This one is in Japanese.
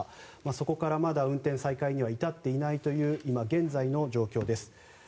そこからまだ運転再開には至っていないという今現在の状況です。